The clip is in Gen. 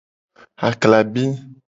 Aklabi.